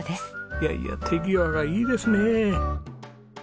いやいや手際がいいですね。